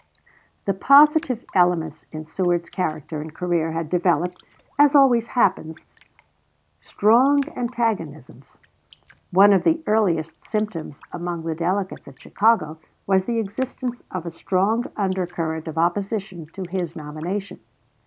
The positive elements in Seward's character and career had developed, as always happens, strong antagonisms. One of the earliest symptoms among the delegates at Chicago was the existence of a strong undercurrent of opposition to his nomination.